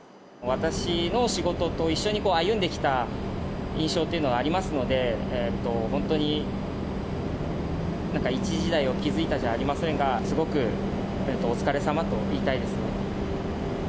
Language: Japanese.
私の仕事と一緒に歩んできた印象というのがありますので、本当に、一時代を築いたじゃありませんが、すごくお疲れさまと言いたいですね。